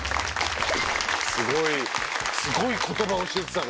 すごいすごい言葉教えてたね。